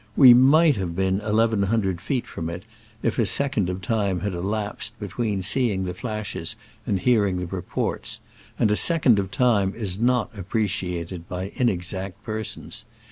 We might have been eleven hundred feet from it if a second of time had elapsed between seeing the flashes and hearing the reports ; and a second * of time is not appreciated by inexact persons.